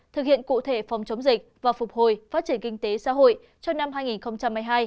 thực hiện cụ thể phòng chống dịch và phục hồi phát triển kinh tế xã hội cho năm hai nghìn hai mươi hai